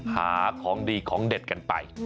หาของดีของเด็ดกันไป